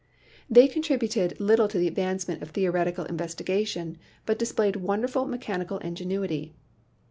They contributed little to the advancement of theoretical investi gation, but displayed wonderful mechanical ingenuity.